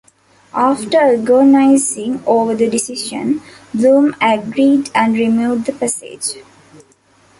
After agonizing over the decision, Blume agreed and removed the passage.